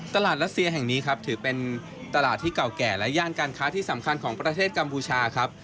รัสเซียแห่งนี้ครับถือเป็นตลาดที่เก่าแก่และย่านการค้าที่สำคัญของประเทศกัมพูชาครับ